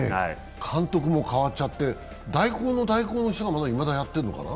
監督も代わっちゃって、代行の代行の人はまだやってるのかな？